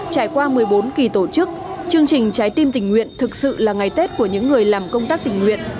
trải qua một mươi bốn kỳ tổ chức chương trình trái tim tình nguyện thực sự là ngày tết của những người làm công tác tình nguyện